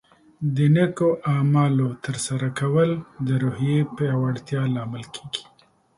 د نیکو اعمالو ترسره کول د روحیې پیاوړتیا لامل کیږي.